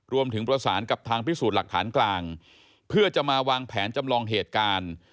รวมถึงประสานกับทางพิสูจน์หลักฐานกลางเพื่อจะมาวางแผนจำลองเหตุการณ์